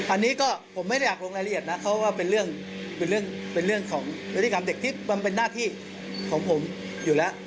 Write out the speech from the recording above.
อันนี้ก็ผมไม่ได้อยากลงรายละเอียดนะเพราะว่าเป็นเรื่องเป็นเรื่องของพฤติกรรมเด็กที่มันเป็นหน้าที่ของผมอยู่แล้ว